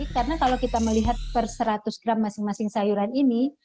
karena kalau kita melihat per seratus gram masing masing sayuran ini